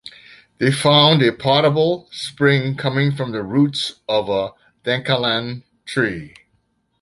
They found a potable spring coming from the roots of a Dankalan Tree.